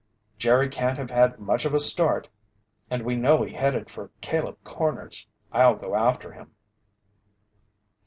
"Jerry can't have had much of a start, and we know he headed for Caleb Corners! I'll go after him."